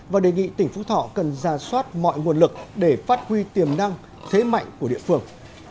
và đề nghị tỉnh phú thọ cần ra soát mọi nguồn lực để phát huy tiềm năng thế mạnh của địa phương